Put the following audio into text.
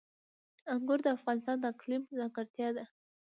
انګور د افغانستان د اقلیم ځانګړتیا ده.